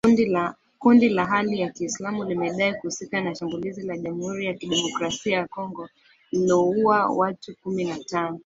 Kundi la Hali ya kiislamu limedai kuhusika na shambulizi la jamuhuri ya kidemokrasia ya Kongo lililouwa watu kumi na tano